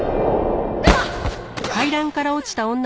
うわっ！